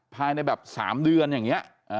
ภายในแบบ๓เดือนอย่างนี้